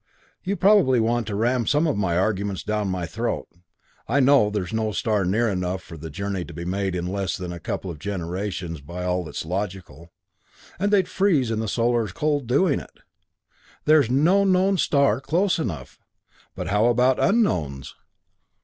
You'll probably want to ram some of my arguments down my throat I know there is no star near enough for the journey to be made in anything less than a couple of generations by all that's logical; and they'd freeze in the interstellar cold doing it. There is no known star close enough but how about unknowns?"